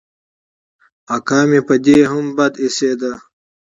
اکا مې په دې هم بد اېسېد.